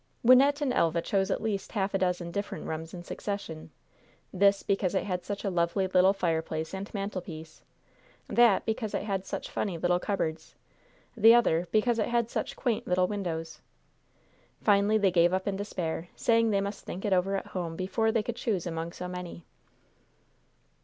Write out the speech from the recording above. Wynnette and Elva chose at least half a dozen different rooms in succession this, because it had such a lovely little fireplace and mantelpiece; that, because it had such funny little cupboards; the other, because it had such quaint little windows. Finally they gave up in despair, saying that they must think it over at home before they could choose among so many.